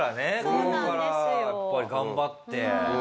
ここからやっぱり頑張って。